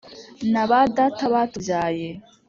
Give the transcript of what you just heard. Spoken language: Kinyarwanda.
Na ba data batubyaye